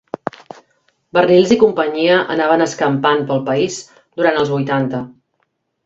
Barnils i companyia anaven escampant pel país durant els vuitanta.